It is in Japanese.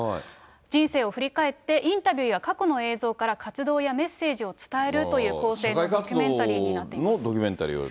人生を振り返って、インタビューや過去の映像から活動やメッセージを伝えるという構社会活動のドキュメンタリーをやる。